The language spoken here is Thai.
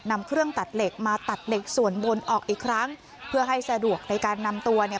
นำเครื่องตัดเหล็กมาตัดเหล็กส่วนบนออกอีกครั้งเพื่อให้สะดวกในการนำตัวเนี่ย